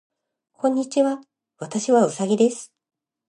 こんにちは。私はうさぎです。